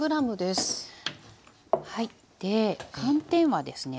で寒天はですね